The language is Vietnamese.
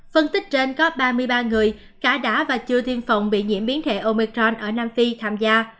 phân tích trên có ba mươi ba người cả đã và chưa tiêm phòng bị nhiễm biến thể omicron ở nam phi tham gia